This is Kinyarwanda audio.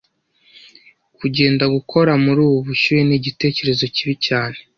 Kugenda gukora muri ubu bushyuhe ni igitekerezo kibi cyane